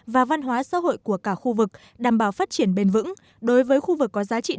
và văn hóa xã hội của cả khu vực đảm bảo phát triển bền vững